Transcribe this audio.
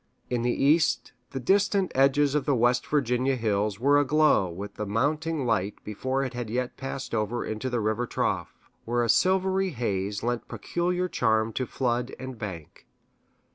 In the east, the distant edges of the West Virginia hills were aglow with the mounting light before it had yet peeped over into the river trough, where a silvery haze lent peculiar charm to flood and bank.